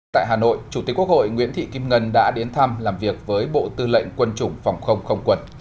tại hà nội chủ tịch quốc hội nguyễn thị kim ngân đã đến thăm làm việc với bộ tư lệnh quân chủng phòng không không quân